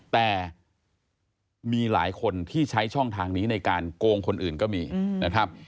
แต่มีหลายคนที่ใช้ช่องทางนี้ในการโกงคนอื่นก็มีนะครับ